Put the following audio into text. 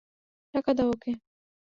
টাকা দাও ওকে।